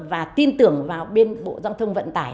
và tin tưởng vào bên bộ giao thông vận tải